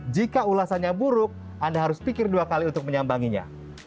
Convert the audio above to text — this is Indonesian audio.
jika ulasannya buruk anda harus pikir dua kali untuk menyambanginya